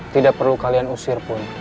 tidak perlu kalian usir pun